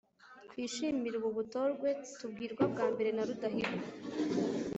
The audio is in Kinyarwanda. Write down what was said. twishimire ubu butorwe tubwirwa bwambere na rudahigwa